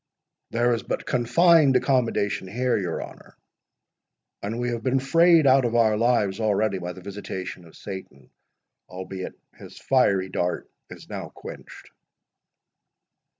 There is but confined accommodation here, your honour—and we have been frayed out of our lives already by the visitation of Satan—albeit his fiery dart is now quenched."